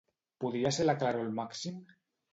Podria ser la claror al màxim?